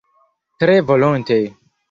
Tre volonte.